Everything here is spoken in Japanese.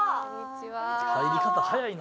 入り方早いな。